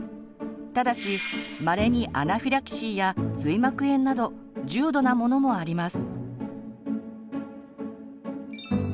ただしまれにアナフィラキシーや髄膜炎など重度なものもあります。